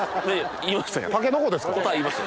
言いましたやん。